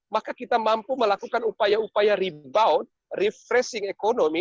maka kita mampu melakukan upaya upaya rebound refreshing ekonomi